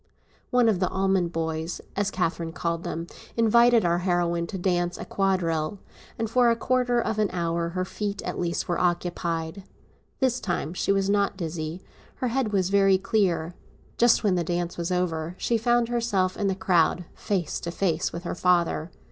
One of the Almond boys, as Catherine called him, invited our heroine to dance a quadrille, and for a quarter of an hour her feet at least were occupied. This time she was not dizzy; her head was very clear. Just when the dance was over, she found herself in the crowd face to face with her father.